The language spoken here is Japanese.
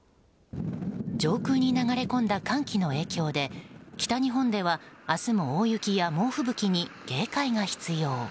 上空に流れ込んだ寒気の影響で北日本では明日も大雪や猛吹雪に警戒が必要。